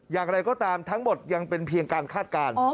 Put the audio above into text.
อย่างไรก็ตามทั้งหมดยังเป็นเพียงการคาดการณ์